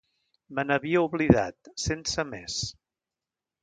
Me n'havia oblidat, sense més.